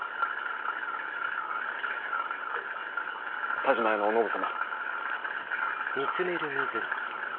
田嶋屋のお信様。